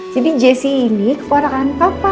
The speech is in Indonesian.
jadi jessi ini kepulangan papa